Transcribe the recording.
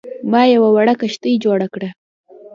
ما یوه وړه کښتۍ جوړه کړه.